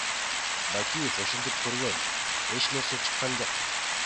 Бакиев ошентип көргөн, эч нерсе чыккан жок.